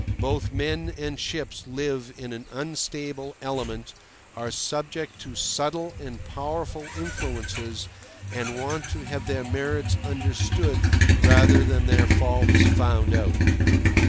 Both men and ships live in an unstable element, are subject to subtle and powerful influences, and want to have their merits understood rather than their faults found out.